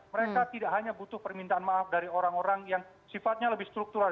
mereka tidak hanya butuh permintaan maaf dari orang orang yang sifatnya lebih struktural